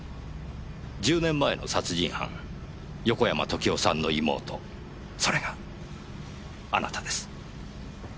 １０年前の殺人犯横山時雄さんの妹それがあなたです。